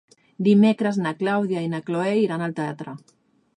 Dimecres na Clàudia i na Cloè iran al teatre.